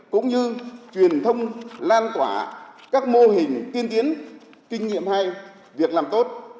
cũng như truyền thông lan tỏa các mô hình tiên tiến kinh nghiệm hay việc làm tốt